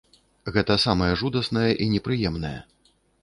Гэта самае жудаснае і непрыемнае.